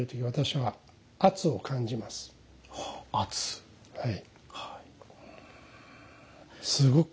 はい。